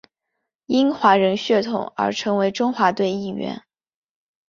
因华人血统而成为中华队一员。